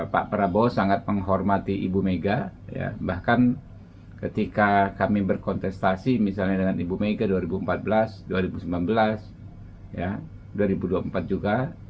pak prabowo sangat menghormati ibu mega bahkan ketika kami berkontestasi misalnya dengan ibu mega dua ribu empat belas dua ribu sembilan belas dua ribu dua puluh empat juga